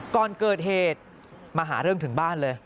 ก่อนเกิดเหตุมาหาเรื่องถึงบ้านเลย